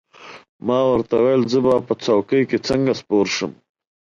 ما ورته وویل: زه به په څوکۍ کې څنګه سپور شم؟